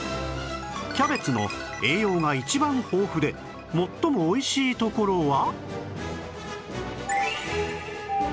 キャベツの栄養が一番豊富で最もおいしいところは？